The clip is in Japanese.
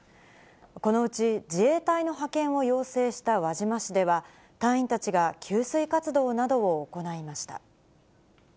このうち自衛隊の派遣を要請した輪島市では、隊員たちが給水活動などを行いました。